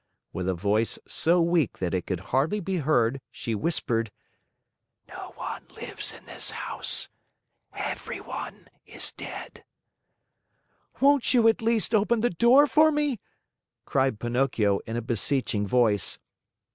With a voice so weak that it hardly could be heard, she whispered: "No one lives in this house. Everyone is dead." "Won't you, at least, open the door for me?" cried Pinocchio in a beseeching voice.